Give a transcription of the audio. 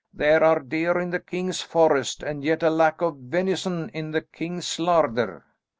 "There are deer in the king's forest, and yet a lack of venison in the king's larder!"